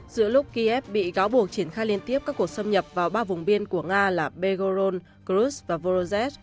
giữa lúc kiev bị gáo buộc triển khai liên tiếp các cuộc xâm nhập vào ba vùng biên của nga là begoron khrushchev và voronezh